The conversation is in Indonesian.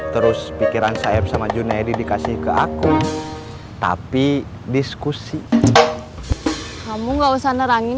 terus pikiran sayap sama junaedi dikasih ke aku tapi diskusi kamu nggak usah nerangin